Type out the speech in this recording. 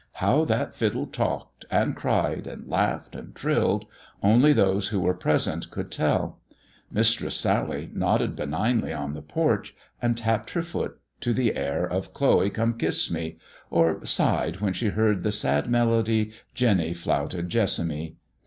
How that fiddle talked, and cried and laughed, and trilled, only those who were present couh tell. Mistress Sally nodded benignly in the porch, and tappec her foot to the air of " Chloe, come kiss me," or sighec when she heard the sad melody, " Jenny flouted Jessamy.'